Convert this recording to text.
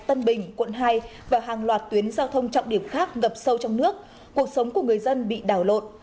tân bình quận hai và hàng loạt tuyến giao thông trọng điểm khác ngập sâu trong nước cuộc sống của người dân bị đảo lộn